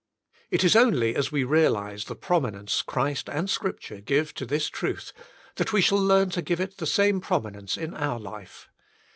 It is only as we realise the prominence Christ and Scripture give to this truth, that we shall learn to give it the same prominence in our life.